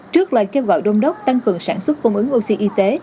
trước lời kêu gọi đông đốc tăng cường sản xuất cung ứng oxy y tế